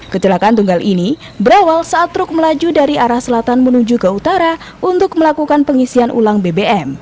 kecelakaan tunggal ini berawal saat truk melaju dari arah selatan menuju ke utara untuk melakukan pengisian ulang bbm